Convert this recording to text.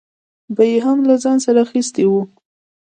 به یې هم له ځان سره اخیستې وه.